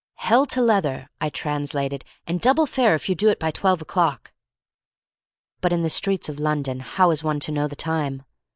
"Hell to leather," I translated, "and double fare if you do it by twelve o'clock." But in the streets of London how is one to know the time?